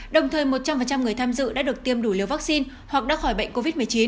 đồng thời một trăm linh người tham dự đã được tiêm đủ liều vaccine hoặc đã khỏi bệnh covid một mươi chín